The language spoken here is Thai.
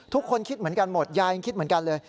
ทุกคนคิดเหมือนกันหมดยายยังคิดเหมือนกันเลย